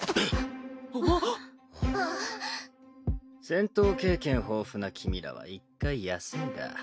戦闘経験豊富な君らは１回休みだ。